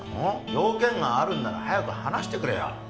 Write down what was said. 用件があるなら早く話してくれよ